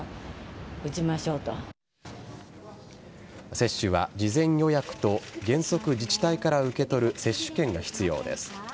接種は事前予約と原則自治体から受け取る接種券が必要です。